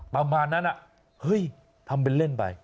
ประมาณนั้นเฮ้ยทำเป็นเล่นไป